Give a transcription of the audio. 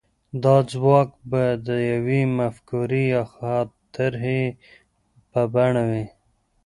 دا ځواک به د يوې مفکورې يا طرحې په بڼه وي.